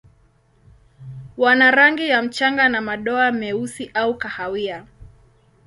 Wana rangi ya mchanga na madoa meusi au kahawia.